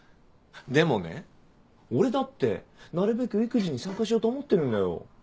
でもね俺だってなるべく育児に参加しようと思ってるんだよ。